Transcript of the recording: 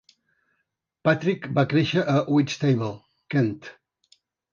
Patrick va créixer a Whitstable, Kent.